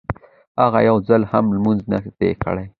هغه يو ځل هم لمونځ نه دی کړی.